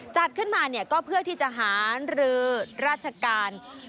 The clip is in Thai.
จัดขึ้นมาเนี่ยก็เพื่อที่จะหารือราชการ